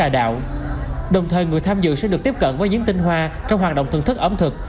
đồng thời người tham dự sẽ được tiếp cận với những tinh hoa trong hoạt động thưởng thức ẩm thực